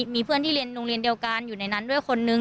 มีเพื่อนที่เรียนโรงเรียนเดียวกันอยู่ในนั้นด้วยคนนึง